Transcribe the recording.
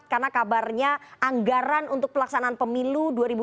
karena kabarnya anggaran untuk pelaksanaan pemilu dua ribu dua puluh empat